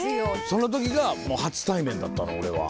その時が初対面だったの俺は。